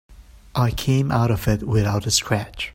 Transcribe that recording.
I came out of it without a scratch.